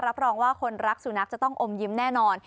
รับรองว่าคนรักสุนัขจะต้องอมยิ้มแน่นอน